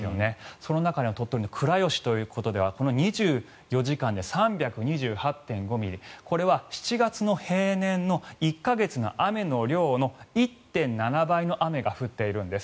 その中でも鳥取の倉吉ではこの２４時間で３２８．５ミリこれは７月の平年の１か月の雨の量の１．７倍の雨が降っているんです。